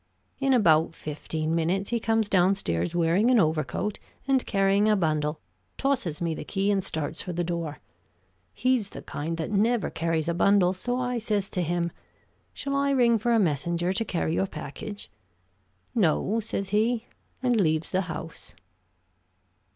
In about fifteen minutes he comes downstairs wearing an overcoat and carrying a bundle, tosses me the key and starts for the door. He's the kind that never carries a bundle, so I says to him, 'Shall I ring for a messenger to carry your package?' 'No,' says he, and leaves the house."